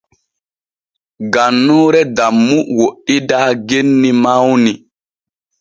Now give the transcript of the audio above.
Gannuure Dammu woɗɗidaa genni mawni.